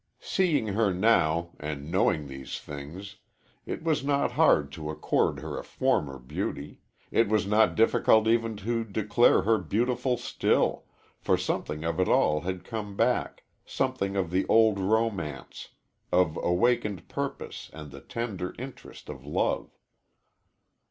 Seeing her now, and knowing these things, it was not hard to accord her a former beauty it was not difficult even to declare her beautiful still for something of it all had come back, something of the old romance, of awakened purpose and the tender interest of love.